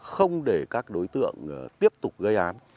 không để các đối tượng tiếp tục gây án